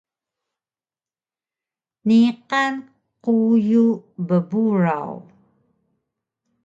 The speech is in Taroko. Niqan quyu bburaw